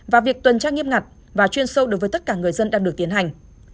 và việc tuần tra nghiêm ngặt và chuyên sâu đối với tất cả người dân đang được tiến hành